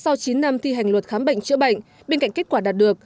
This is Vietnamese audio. sau chín năm thi hành luật khám bệnh chữa bệnh bên cạnh kết quả đạt được